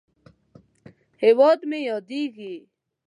هېواد مې یادیږې!